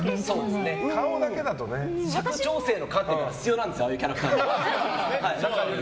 尺調整の観点から必要なんですよああいうキャラクターが。